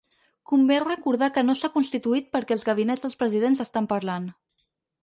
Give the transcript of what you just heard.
Convé recordar que no s’ha constituït perquè els gabinets dels presidents estan parlant.